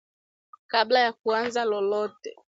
Kabla ya kuanza lolote